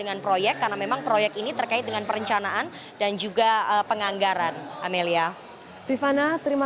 dengan proyek karena memang proyek ini terkait dengan perencanaan dan juga penganggaran